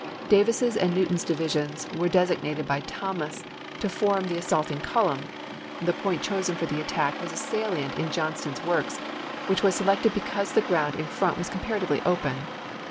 Davis's and Newton's divisions were designated by Thomas to form the assaulting column. The point chosen for the attack was a salient in Johnston's works, which was selected because the ground in front was comparatively open.